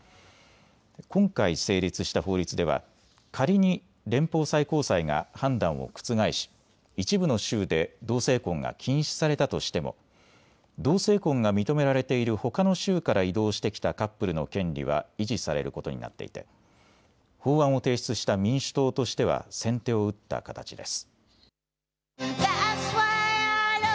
今回、成立した法律では仮に連邦最高裁が判断を覆し一部の州で同性婚が禁止されたとしても同性婚が認められているほかの州から移動してきたカップルの権利は維持されることになっていて法案を提出した民主党としては先手を打った形です。